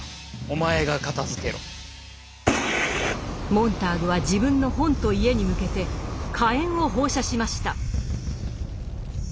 モンターグは自分の本と家に向けて火炎を放射しました。